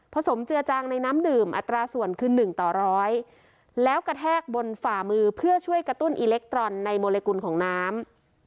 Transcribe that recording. สมเจือจางในน้ำดื่มอัตราส่วนคือ๑ต่อร้อยแล้วกระแทกบนฝ่ามือเพื่อช่วยกระตุ้นอิเล็กตรอนในโมเลกุลของน้ำ